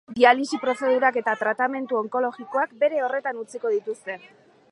Dialisi prozedurak eta tratamendu onkologikoak bere horretan utziko dituzte.